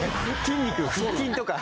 筋肉腹筋とか。